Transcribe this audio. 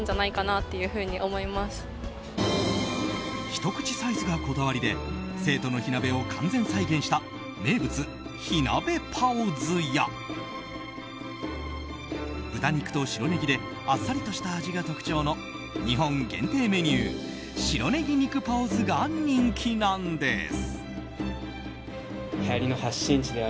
ひと口サイズがこだわりで成都の火鍋を完全再現した名物、火鍋パオズや豚肉と白ネギであっさりとした味が特徴の日本限定メニュー白ネギ肉パオズが人気なんです。